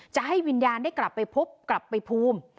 จะให้วิญญาณได้กลับไปพบกลับไปภูมิ